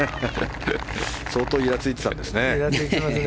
相当イラついてたんですね。